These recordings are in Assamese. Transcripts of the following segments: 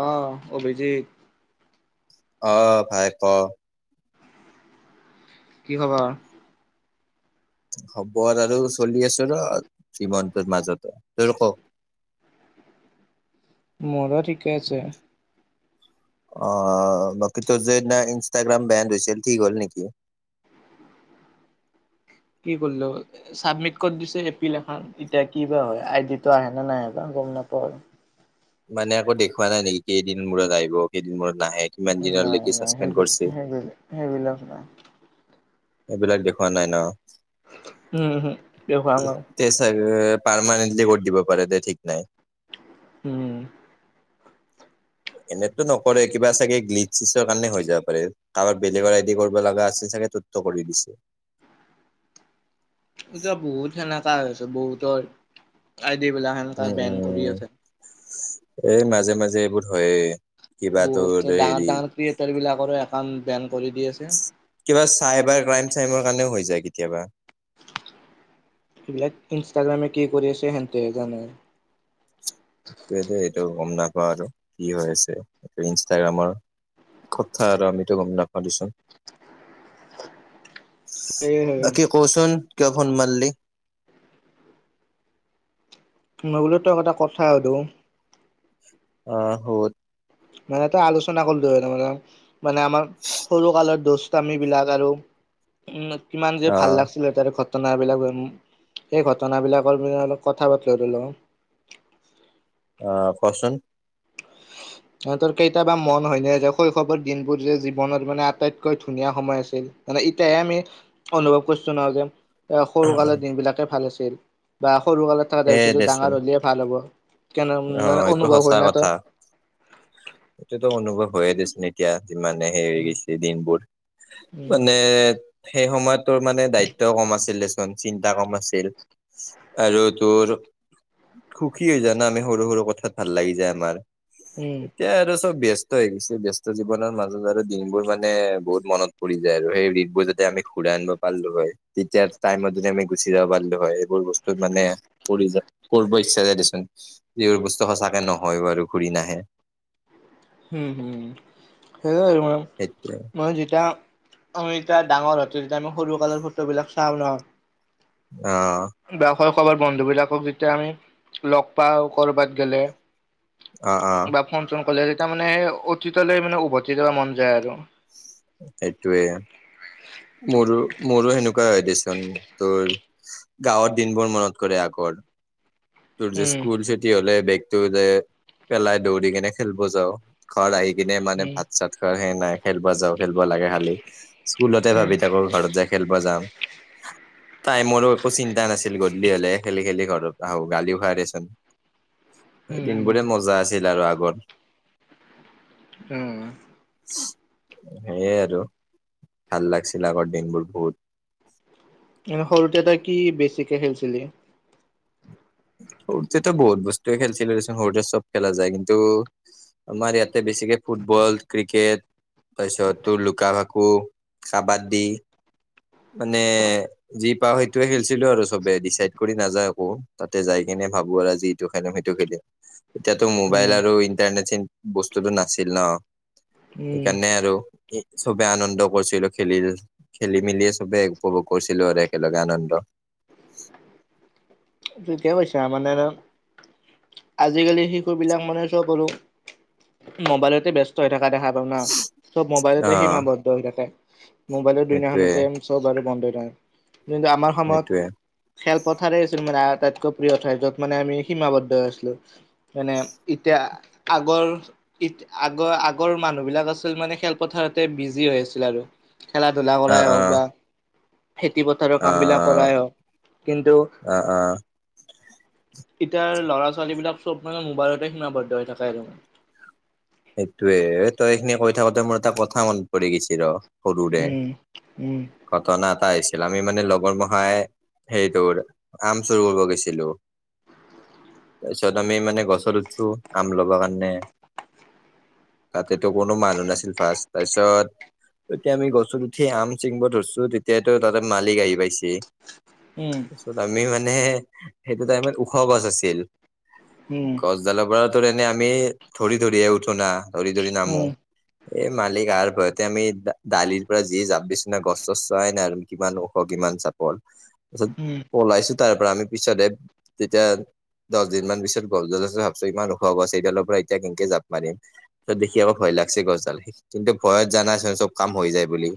অ, অভিজিত অ, ভাই ক? কি খবৰ? খবৰ আৰু চলি আছো ৰ জীৱনটোৰ মাজতে। তোৰ ক? মৰো ঠিকে আছে। অ, অ, বাকী তোৰ যে সিদিনা ইনষ্টাগ্ৰাম বেন হৈছিল, ঠিক হ'ল নেকি? [unintelligible] চাবমিট কৰি দিছো। এপিল এখান ইটা কি বা হয়? আইডি টো আহে না নাহে বা গম নাপাওঁ আৰু। মানে একো দেখুওৱা নাই নেকি? কেইদিন মূৰত আহিব, কেইদিন মূৰত নাহে, কিমান নাই দিনলৈকে নাই চাচপেন্দ সেইবিল কৰছি? সেইবিল সেইবিলাক নাই। এইবিলাক দেখুওৱা নাই ন? উম, হুম দেখুওৱা নাই। তে চাগে পাৰ্মানেন্ট কৰি দিব পাৰে দে ঠিক নাই। উম। এনেতো নকৰে। কিবা চাগে গ্লিচ, চিচৰ কাৰণে হৈ যাব পাৰে। কাৰোবাৰ বেলেগৰ আইডি কৰিব লগা আছিল চাগে। তোৰটো কৰি দিছি। এতিয়া বহুত সেনেকা হৈ আছে। বহুতৰ আইডি বিলাক সেনেকা বেন কৰি আছে। এ! মাজে, মাজে এইবোৰ হৈয়ে কিবাতো দে হেৰি। ক্ৰিয়েটাৰবিলাকৰো একাউণ্ট বেন কৰি দি আছে। কিবা চাইবাৰ ক্ৰাইম-চাইমৰ কাৰণেও হৈ যায় কেতিয়াবা। এইবিলাক ইনষ্টাগ্ৰামে কি কৰি আছে সেহেতেহে জানে। সেইটোৱে এইটো গ'ম নাপাও আৰু কি হৈ আছে ইনষ্টাগ্ৰামৰ। কথা আৰু আমিতো গ'ম নাপাও দিয়াচোন। [inaudible] সেয়ে বাকী ক'চোন কিয় ফোন মাৰলি? মই বোলো তোক এটা কথা সোধো। অ', সোধ। মানে এটা আলোচনা কৰিলো হয় তাৰমানে, মানে আমাৰ সৰু কালৰ দুষ্ট আমি বিলাক আৰু কিমা কিমান যে ভাল আহ লাগছিলে তাৰ ঘ টনাবিলাক এম, সেই ঘটনাবিলাকৰ বিষয়ে অলপ কথা পাতিলোঁ হয় ধৰিল। অ', কচোন। তহঁতৰ কেইতাবা মন হয়নে যে শৈশৱৰ দিনবোৰ যে জীৱনত মানে আটাইতকৈ ধুনীয়া সময় আছিল। মানে ইতিয়াহে আমি অনুভৱ কৰছো ন' যে এ সৰুকালৰ দিন বিলাকে ভাল আছিল বা সৰুকালত এ থকা পিছত দেচোন ডাঙৰ হ'লিহে ভাল হ'ব। কেনে অ মানে এইটো অনুভৱ হয় নে তোৰ? সেইটোটো অনুভৱ হৈয়ে দেছোন এতিয়া যিমানে হেৰি হৈ উম গৈছে দিনবোৰ, উম মানে সেই সময়ত তোৰ মানে দায়িত্বও ক'ম আছিল, দেচোন চিন্তা কম আছিল। আৰু তোৰ সুখী হৈ জানা নে সৰু সৰু কথাত ভাল লাগি যায় আমাৰ। উম। এতিয়া আৰু চব ব্যস্ত হৈ গৈছে, ব্যস্ত জীৱনৰ মাজত আৰু দিনবোৰ মানে বহুত মনত পৰি যায় আৰু সেই দিনবোৰ যদি আমি ঘুৰাই আনিব পাৰলো হয়, তেতিয়া টাইমত যদি আমি গুচি যাব পাৰিলো হয়, এইবোৰ বস্তু মানে পৰি যায়, কৰিব ইচ্ছা যায় দেচোন। যিবোৰ বস্তু সঁচাকে নহয় বাৰু ঘূৰি নাহে। হুম, হুম, [unintelligible] সেইটোৱেই। মই যেতিয়া আমি যেতিয়া ডাঙৰ হতে যেতিয়া আমি সৰু কালাৰৰ ফটোবিলাক চাওঁ ন'! অ'। বা শৈশৱৰ বন্ধু বিলাকক যেতিয়া আমি ল'গ পাওঁ কৰ'বাত গেলে। অ', অ'। ফোন-চোন কৰলে তেতিয়া মানে সেই অতীতলৈ মানে উভতি যাব মন যায় আৰু। সেইটোৱে মোৰো মোৰো সেনেকুৱা হয় দেচোন, তোৰ গাঁৱৰ দিন বোৰ মনত কৰে আগৰ। তোৰ যে উম স্কুল চুটি হ'লে, বেগতটো যে পেলাই দৌৰি কেনে খেলব যাও। ঘৰত আহি কিনে মানে উম ভাত-চাত খোৱাৰ সেই নাই। খেলব যাওঁ খেলব লাগে খালি, স্কুলতে উম ভাবি থাকো ঘৰত যায় খেলব যাম, টাইমৰো একো চিন্তা নাছিল, গধূলি হ'লে খেলি খেলি ঘৰত আহো। গালিও খাই দেচোন, সেই উম দিন উম বোৰে মজা আছিল আৰু আগৰ। উম। সেইয়ে আৰু ভাল লাগছিল আগৰ দিনবোৰ বহুত। এনে সৰুতে তই কি বেছিকে খেলছিলি? সৰুতেতো বহুত বস্তুৱে খেলছিলো দেচোন, সৰুতে চব খেলা যায় কিন্তু আমাৰ ইয়াতে বেছিকে ফুটবল, ক্ৰিকেট তাৰপিছত তোৰ লুকা ভাকু, কাবাদি মানে যি পাওঁ সেইটোয়ে খেলছিলো আৰু চবে ডিচাইড কৰি নাযাওঁ একো। তাতে যাই কিনে, ভাবো আৰু যি এইটো খেলিম, সেইটো খেলিম, এতিয়াতো মোবাইল উম আৰু ইণ্টাৰনেট চ বস্তুটো নাছিল ন, উম সেইকাৰণে আৰু চবে আনন্দ কৰিছিলো খেলি, খেলি- মেলি। চবেই উপভোগ কৰিছিলো আৰু একেলগে আনন্দ। ঠিকে কৈছা, মানে আৰু আজিকালি শিশুৰ, বিলাক মানে চব আৰু মোবাইলতে ব্যস্ত হৈ থকা দেখা [inaudible] না চব, অ মোবাইলতে সীমাবদ্ধ হৈ থাকে, মোবাইলত সেইটোৱে দুুনীয়াখনতে চব বাৰু বন্ধই নাই, কিন্তু আমাৰ সময়ত সেইটোৱে খেলপথাৰে চোন মানে আটাইতকৈ প্ৰিয় ঠাই য'ত মানে আমি সীমাবদ্ধ হৈছিলো, মানে এতিয়া আগৰ ই, আগৰ আগৰ আছিল, মানে খেলপথাৰতে বিজি হৈ আৰু। খেলা ধূলা অ কৰাই অ হ'ওক বা খেতি পথাৰৰ অ কাম বিলাক কৰাই হ'ওক কিন্তু অ, অ, এতিয়াৰ ল'ৰা-ছোৱালীবিলাক চব মানে মোবাইলতে সীমাবদ্ধ হৈ থাকে আৰু। সেইটোয়ে, তই এইখিনি কৈ থাকোতে মোৰ এটা কথা মনত পৰি গৈছি ৰ, সৰুৰে, উম উম ঘটনা এটা আহিছিল, আমি মানে লগৰ মখাই সেইটোৰ, আম চুৰ কৰিব গৈছিলো। তাৰপিছত আমি মানে গছত উঠছো, আম ল'ব কাৰণে। তাতেতো, কোনো মানুহ নাছিল ফাৰ্ষ্ট তাৰপিছত এতিয়া আমি গছত উঠি আম চিঙব ধৰিছো, তেতিয়াতো তাতে মালিক আহি পাইছে। উম, আমিও মানে সেইটো টাইমত ওখ গছ আছিল। উম গছ জালৰ পৰাতো এনে আমি, ধৰি ধৰিয়ে উঠো না, ধৰি ধৰি নামো। উম এই মালিক আৰু ভয়তে আমি দালিৰ পৰা যি জাপ দিছো না, গছ- চছ চোৱাই নাই আৰু। কিমান ওখ কিমান চাপৰ, তাৰপিছত উম, পলাইছো তাৰ পৰা আমি পিছতে তেতিয়া দহ দিনমান পিছত গছডাল আছে, ভাবছো ইমান ওখ গছ এইডালৰ পৰা এতিয়া কে কে, জাপ মাৰিম, ত দেখি আকৌ ভয় গছডাল, কিন্তু ভয়ত জানাচোন চব হৈ যায় বুলি।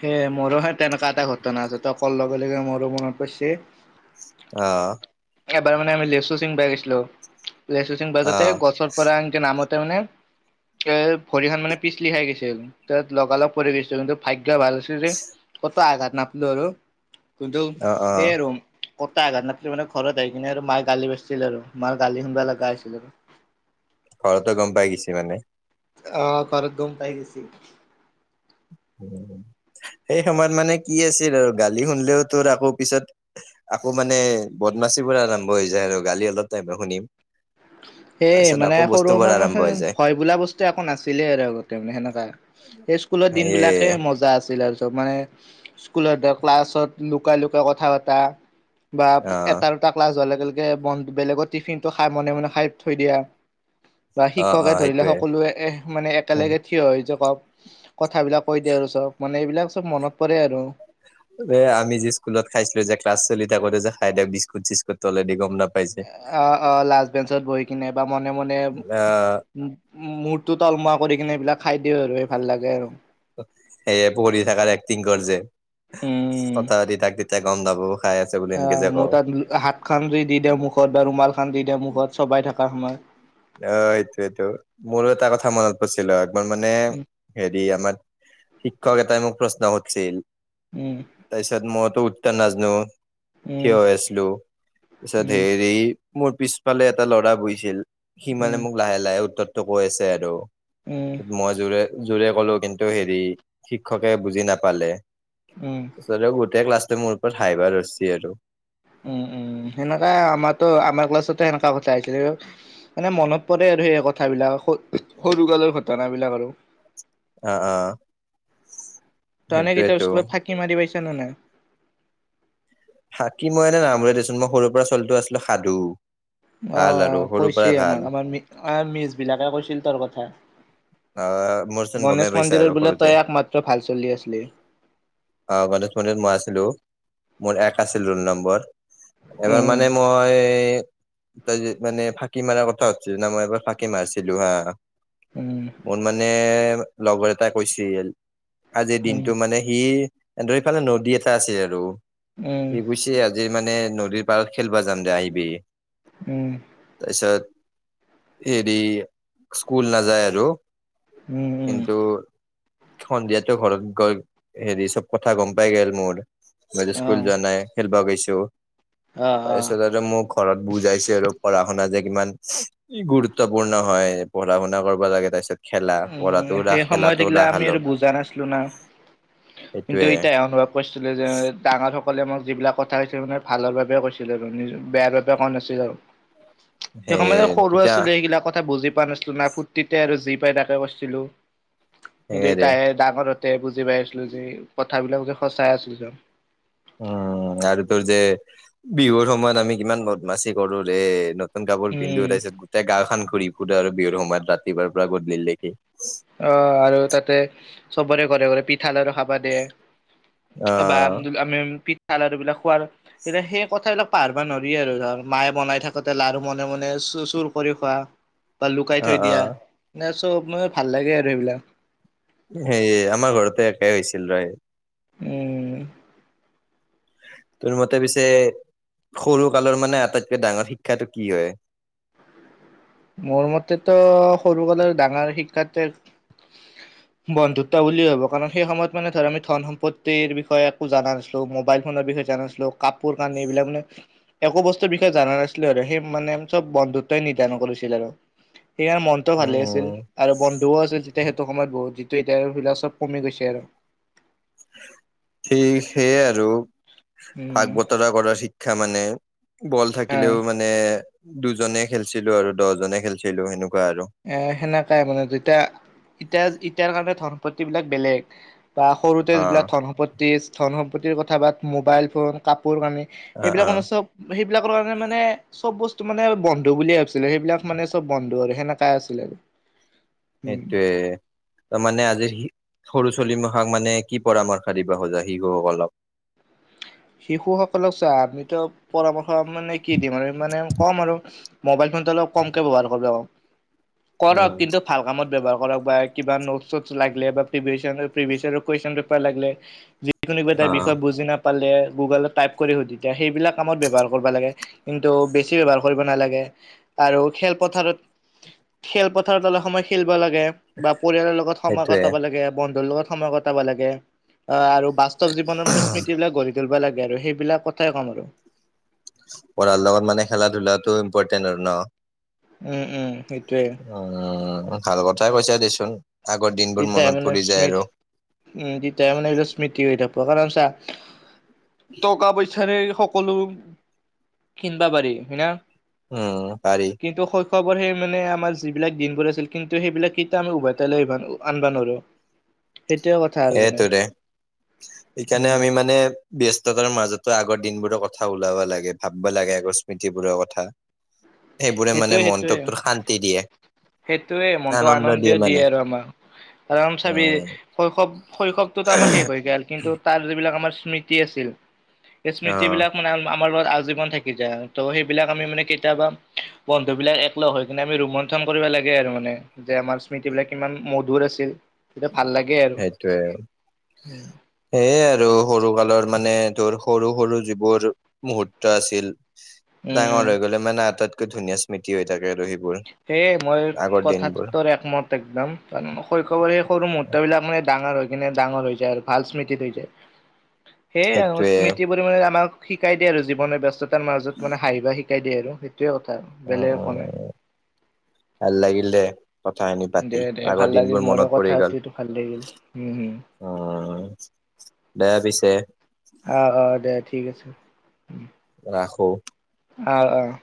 সেয়া মোৰো হে, তেনেকুৱা এটা ঘটনা আছে, ত কল‌ লব লগে মোৰো মনত পৰিছে। অ, এবাৰ মানে আমি, লেচু চিংবা গেছিলো, লেচু চিংবা জাওতে অ', গছৰ পৰা এনকে নামতে মানে এ, ভৰি খন মানে পিছলি খাই গৈছিল, তাত লগালগ পৰি গৈছিল, কিন্তু ভাগ্য ভাল আছিল। ক'তো আঘাত নাপালো আৰু কিন্তু অ', অ', সেই আৰু। ক'তো আঘাত নাপালি মানে, ঘৰত আহি কিনে আৰু মায়ে গালি পাৰছিল আৰু মাৰ গালি শুনবা লগা হৈছিল আৰু। ঘৰতে গম পাই গৈছে মানে। অ, ঘৰত গম পাই গৈছে। সেই সময়ত মানে কি আছিল আৰু গালি শুনিলেও তোৰ আকৌ পিছত আকৌ মানে বদমাচিৰ পৰা, আৰম্ভ হৈ যায় আৰু গালি অলপ টাইমহে শুনিম। সেই তাৰপিছত মানে আকৌ সৰু বস্তুবোৰ সময় মান, আৰম্ভ হৈ যায়। ভয় বোলা বস্তু নাছিলেই আৰু আগতে মানে সেনেকা সেই স্কুলত দিন সেয়ে বিলাকে মজা আছিল আৰু চব মানে স্কুলত ধৰ, ক্লাছত লুকাই, লুকাই কথা পতা বা অ', এটাৰ এটা ক্লাছ হোৱাৰ লগে লগে বন, বেলেগৰ টিফিনটো খাই মনে মনে খাই থৈ দিয়া। বা অ', শিক্ষকে অ', ধৰিলে, সেইটোয়ে। সকলোৱে এহ, মানে একেলগে থিয় হৈ জোকা, কথাবিলাক কৈ দিয়া আৰু চ'ব মানে এইবিলাক চ'ব মনত পৰে আৰু। এই, আমি যে স্কুলত খাইছিলো যে ক্লাচ চলি থাকোঁতে যে খাই দিওঁ, বিস্কুট-চিস্কুট তলেদি গম নাপাই যে। অ, অ, লাষ্ট বেঞ্চত বহি কেনে বা মনে, মনে, আহ উম, মূৰটো তলমোৱা কৰি কিনে খাই দিওঁ আৰু সেই ভাল লাগে আৰু। সেইয়ে, পঢ়ি থাকাৰ এক্টিং কৰিছে। উম কথা-পাতি থাক, তেতিয়া গম নাপাব। খাই আ অ'! মোৰ তাত, হাত খন দি দি দেওঁ, মুখত বা ৰুমাল খান দি দেওঁ, মুখত চবাই থকা সময়ত। অ'! এইটো-এইটো, মোৰো এটা কথা মনত কৈছিলে, একবাৰ মানে উম সেৰি, আমাৰ শিক্ষক এটাই, মোক প্ৰশ্ন সুধিছিল, উম তাৰ পিছত, মইতো উত্তৰ নাজানোঁ। উম থিয় হৈ আছিলোঁ। তাৰপিছত উম সেৰি, মোৰ পিছফালে এটা ল'ৰা বহিছিল। সি মানে, উম মোক লাহ- লাহে উত্তৰটো কৈ আছে আৰু। উম মই জোৰে জোৰে ক'লো। কিন্তু সেৰি, শিক্ষকে বুজি নাপালে। উম! [unintelligible] গোটেই ক্লাছতো, মোৰ ওপৰত হাঁহিব ধৰিছে আৰু। উম, উম, সেনেকা আমাৰতো, আমাৰ ক্লাছতো সেনেকা কথা [unintelligible] মানে, মনত পৰে আৰু সেই কথাবিলাক, সৰুকালৰ ঘটনাবিলাক আৰু! অ'! অ'! [unintelligible] [unintelligible] কেতিয়াও সেইটোয়েতো স্কুলত, ফাকি মাৰি পাইছা নে নাই? [unintelligible] ভাল আৰু অ'! সৰুৰ পৰাই কৈছে ভাল আমাক, আমাৰ মি-মিচ বিলাকে কৈছিল, তোৰ কথা। অ মোৰচোন গমেই গণেশ পাইছা আৰু মন্দিৰৰ বোলে, সৰুতে তই একমাত্ৰ ভাল ছোৱালী আছিলি। অ'! গণেশ মন্দিৰত মই আছিলোঁ। মোৰ এক আছিল ৰোল নম্বৰ। এবাৰ উম মানে, মই তই যে মানে, ফাঁকি মাৰ কথা সুধিছিলি না? মই এবাৰ, ফাঁকি মাৰিছিলোঁ হা। উম। মোৰ মানে, লগৰ এটাই কৈছিল! আজিৰ উম দিনটো মানে সি, দুই ফালে, নদী এটা আছিল আৰু উম সি গৈছে। আজিৰ মানে, নদীৰ পাৰত খেলিবা যাম দে, আহিবি। উম। তাৰপিছত, সেৰি, স্কুল নযায় আৰু। উম উম কিন্তু, সন্ধিয়াতো ঘৰত গৈ, সেৰি, চব কথা গম পাই গ'ল মোৰ। মই যে অ স্কুল যোৱা নাই, খেলিবা গৈছোঁ। অ', অ'। তাৰপিছত, আৰু মোক ঘৰত বুজাইছে আৰু পঢ়া-শুনা যে কিমান ই গুৰুত্বপূৰ্ণ হয়। পঢ়া-শুনা কৰিব লাগে, তাৰ পিছত। উম, সেই সময়ত এইগিলা আমি আৰু বুজা নাছিলোঁ না। সেইটোয়ে দুইটাই অলপ-অলপ। কৈছিলে যে, ডাঙৰ সকলে মোক যিবিলাক কথা কৈছিলে মানে, ভালৰ বাবে কৈছিলে আৰু নিজ, বেয়া ভাবে কোৱা নাছিল আৰু! সেই সেয়ে সময়ত সৰু তেতিয়া আছিলোঁ। সেইগিলাক কথা বুজি পোৱা নাছিলোঁ, না। ফুুৰ্তিতে আৰু যি পাই, তাক কৰিছিলোঁ। সেয়েৰে দেউতাহে ডাঙৰতে বুজি পাইছিলোঁ যে, ক কথাবিলাককে সঁচাই আছিলোঁ, যেন। উম! আৰু তোৰ যে, বিহুৰ সময়ত আমি কিমান, বদমাচি কৰোঁ ৰে! নতুন কাপোৰ উম, পিন্ধো। তাৰপিছত, গোটেই গাঁওখন ঘূৰি-ফুৰো আৰু বিহুৰ সময়ত, ৰাতিপুৱাৰ পৰা গদূলি লৈকে। অ'! আৰু তাতে, চবৰে ঘৰে-ঘৰে, পিঠা-লাৰু খাবা দিয়ে। বা অ আমি, পিঠা লাৰু এইবিলাক খোৱাৰ, তেতিয়া, সেই কথাবিলাক পাহাৰিব নোৱাৰি আৰু ধৰ, মায়ে, বনাই থাকোঁতে, লাৰু মনে-মনে চু-চুৰ কৰি খোৱা! বা লুকাই অ থৈ অ দিয়া। নে চব, মই ভাল লাগে আৰু সেইবিলাক! সেই, আমাৰ ঘৰতে একেই হৈছিল, [unintelligible] উম। তোৰ মতে পিছে সৰু কালৰ মানে আটাইতকে ডাঙৰ শিক্ষাটো কি হয়? মোৰ মতেতো সৰু কালৰ ডাঙৰ শিক্ষাতে বন্ধুত্ব বুলিও ভাবো কাৰণ সেই সময়ত মানে ধৰ আমি ধন সম্পত্তিৰ বিষয়ে একো জানা নাছালো, মোবাইল ফোনৰ বিষয়ে জান নাছিলো। লো কাপোৰ কানি এই বিলাক মানে একো বস্তুৰ বিষয়ে জান নাছিলো আৰু, সেই মানে চব বন্ধুত্বই নিদান কৰিছিল ছিল আৰু, সেইকাৰণে মনতটো ভালে আছিল। উম আৰু বন্ধুও আছিল তেতিয়া সেইটো সময়ত বহুত, যিটো এতিয়া বিলাক চব কমি গৈছে আৰু। সেইক সেয়ে আৰু উম ভাগ বতৰা কৰাৰ শিক্ষা মানে। বল আহ থাকিলেও মানে দুজনে খেলছিলো আৰু দহজনে খেলছিলো সেনেকুৱা আৰু। এ সেনেকাই মানে যেতিয়া ইটা ইটাৰ কাৰণে ধন সম্পতি বিলাক বেলেগ। বা সৰুতে অ যিবিলাক ধন সম্পত্তি, ধন সম্পত্তিৰ কথা বাত মোবাইল ফোন কাপোৰ কানি। অ সেইবিলাক অ মানে চব। সেইবিলাকৰ কাৰণে মানে চব বস্তু মানে বন্ধু বুলিয়ে ভাবিছিলো, সেইবিলাক মানে চব বন্ধু আৰু সেনেকা কাই আছিলে। সেইটয়োৱেই। ত' মানে আজিৰ শি সৰু চলিমশাক মানে কি পৰামৰ্শ দিব খোজা শিশুসকলক? শিশুসকলক চোৱা আমিতো পৰামৰ্শ মানে কি দিম আৰু মানে ক'ম আৰু মোবাইল ফোনটো অলপ কমকে ব্যৱহাৰ কৰিব, অ কৰক কিন্তু ভাল কামত ব্যৱহাৰ কৰক বা কিবা নোট চ'টছ লাগিলে বা প্ৰিভিয়চন প্ৰিভিয়চনৰ কুৱেশ্যন পেপাৰ লাগিলে যি কোনো কিবা এটা বিষয়ে বুজি নাপালে গুগলত টাইপ কৰি সুধি তেতিয়া সেইবিলাক কামত ব্যৱহাৰ কৰিবা লাগে, কিন্তু বেছি ব্যৱহাৰ কৰিব নালাগে। আৰু খেলপথাৰত খেলপথাৰত অলপ সময় খেলব লাগে। বা পৰিয়ালৰ লগত সময় সেইটোয়ে কটাব লাগে বন্ধুৰ লগত সময় কটাব লাগে। আ আৰু বাস্তৱ জীৱনৰ মানে স্মৃতি বিলাক গঢ়ি তুলিব লাগে আৰু সেইবিলাক কথাই ক'ম আৰু। পঢ়াৰ লগত মানে খেলা ধূলাটো ইম্পৰ্টেণ্ট আৰু ন? উম, উম সেইটয়োৱে। অ', ভাল কথাই কৈছা দেচোন আগৰ দিনবোৰ তেতিয়াই মনত মানে পৰি যায় স্মৃতি আৰু। উম, তেতিয়া মানে এই বিলাক স্মৃতি হৈ থাকিব। কাৰণ চা টকা পইচাৰে সক সকললো কিনবা পাৰি হয়না। অ', পাৰি। কিন্তু শৈশৱৰ সেই মানে আমাৰ যিবিলাক দিনবোৰ আছিল, কিন্তু সেইবিলাক কেইটা আমি উভয়তাই লৈ আহব নৰো। আনবা নৰো। সেইটোয়ে কথা। সেইটো দে, সেইকাৰণে উম আমি মানে ব্যস্ততাৰ মাজতো আগৰ দিনবোৰৰ কথা ওলাব লাগে ভাববা লাগে আগৰ স্মৃতিবোৰৰ কথা। [unintelligible] এইবোৰে মানে সেইটোৱে সেইটোৱে মনটোক তোৰ শান্তি দিয়ে। সেইটোৱে মনটো আনন্দ দিয়ে আৰু আমাৰ, কাৰণ চাবি উম শৈশৱ শৈশৱটোতো আমাৰ শেষ হৈ গ'ল কিন্তু তাৰ যিবিলাক আমাৰ স্মৃতি আছিল সেই অ স্মৃতিবিলাক মানে আমাৰ লগত আজীৱন থাকি যায়। ত' সেইবিলাক আমি মানে কেতিয়াবা বন্ধু বিলাক একলগ হৈ কিনে আমি ৰোমন্থন কৰিব লাগে আৰু মানে। যে আমাৰ স্মৃতি বিলাক কিমান মধুৰ আছিল, তেতিয়া ভাল লাগে আৰু। সেইটোৱে। উম, সেয়ে আৰু সৰু কালৰ মানে তোৰ সৰু সৰু যিবোৰ মুহূৰ্ত আছিল, উম, ডাঙৰ হৈ গ'লে মানে আটাইতকৈ ধুনীয়া ম্মিতি হৈ থাকে সেইবোৰ। সেয়েই মই আগৰ দিনবোৰ কথাটোতোৰ একমত একদম। শৈশৱৰ সৰু মুহূৰ্ত বিলাক মানে ডাঙৰ হয়। কিনে ডাঙৰ হৈ যায় আৰু ভাল স্মৃতিত ৰৈ যায়। সেয়াই সেইটোয়ে স্মৃতি মানে আমাক শিকাই দিয়ে আৰু জীৱনে ব্যস্ততাৰ মাজত মানে হাঁহিব বা শিকাই দিয়ে আৰু সেইটোয়ে কথা আৰু অ' বেলেগ একো নাই। অ' ভাল লাগিল দে। কথা খিনি দে পাতি। দে ভাল আগৰ লাগিল দিনবোৰ মোৰো মনত পৰি কথা গ'ল পাতিটো ভাল লাগিল। উম, উম, উম। দে পিছে অ' অ' দে ঠিক আছে। ৰাখোঁ। অ' অ'